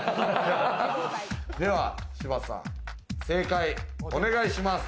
では柴田さん、正解お願いします。